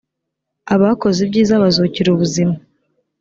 abakoze ibyiza bazukira ubuzima